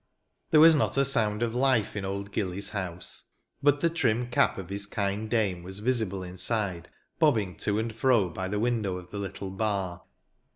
There was not a sound of life in " Old Gilly's" house ; but the trim cap of his kind dame was visible inside, bobbing to and fro by the window of the little bar.